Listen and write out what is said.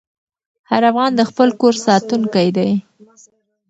هر افغان د خپل کور ساتونکی دی.